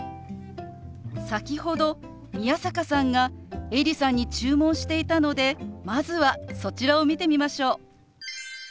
先ほど宮坂さんがエリさんに注文していたのでまずはそちらを見てみましょう。